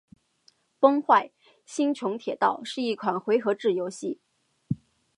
《崩坏：星穹铁道》是一款回合制游戏。